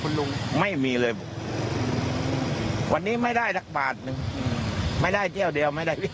คุณลุงไม่มีเลยวันนี้ไม่ได้สักบาทหนึ่งไม่ได้เที่ยวเดียวไม่ได้